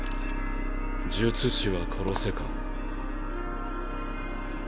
「術師は殺せ」か。